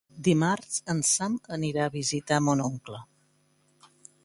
Dimarts en Sam anirà a visitar mon oncle.